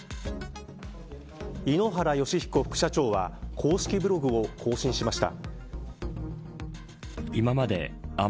井ノ原快彦副社長は公式ブログを更新しました。